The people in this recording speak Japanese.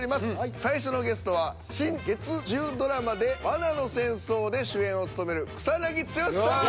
最初のゲストは新月１０ドラマ「罠の戦争」で主演を務める草剛さん。